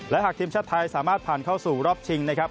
และหากทีมชาติไทยสามารถผ่านเข้าสู่รอบชิงนะครับ